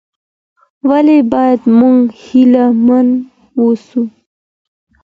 ولي بايد موږ هيله من واوسو؟